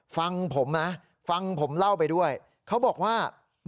ฟังผมนะฟังผมเล่าไปด้วยเขาบอกว่า